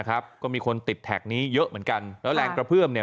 ก็มีคนติดแท็กนี้เยอะเหมือนกันแล้วแรงกระเพื่อมเนี่ย